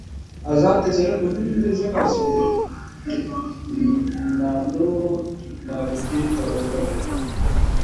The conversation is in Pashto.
آزاد تجارت مهم دی ځکه چې نانوټیکنالوژي تبادله کوي.